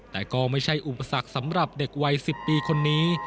แต่ก็ไม่ใช่อุปสรรคสำหรับเด็กวัย๑๐ปีคนนี้